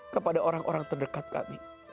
kepada orang orang terdekat kami